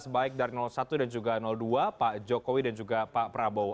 baik dari satu dan juga dua pak jokowi dan juga pak prabowo